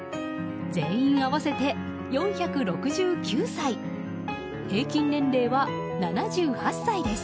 全員合わせて４６９歳平均年齢は７８歳です。